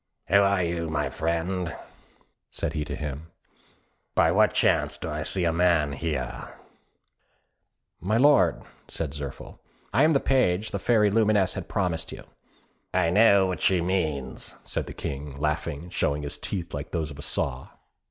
"Who are you, my friend?" said he to him. "By what chance do I see a man here?" "My lord," said Zirphil, "I am the page the Fairy Lumineuse has promised you." "I know what she means," said the King, laughing, and showing his teeth, like those of a saw.